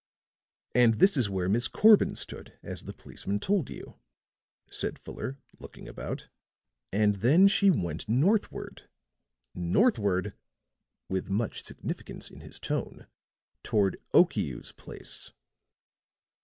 "And this is where Miss Corbin stood, as the policeman told you," said Fuller, looking about. "And then she went northward northward," with much significance in his tone, "toward Okiu's place."